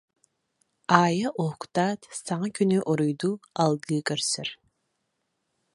Аайа уһуктаат саҥа күнү уруйдуу, алгыы көрсөр.